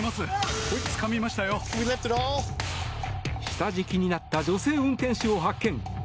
下敷きになった女性運転手を発見。